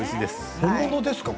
本物ですか？